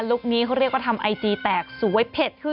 ลุคนี้เขาเรียกว่าทำไอทีแตกสวยเผ็ด